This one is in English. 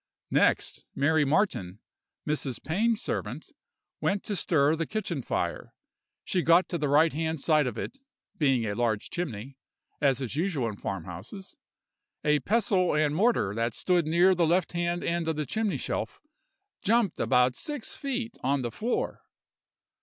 "Next, Mary Martin, Mrs. Pain's servant, went to stir the kitchen fire; she got to the right hand side of it, being a large chimney, as is usual in farmhouses. A pestle and mortar that stood nearer the left hand end of the chimney shelf, jumped about six feet on the floor!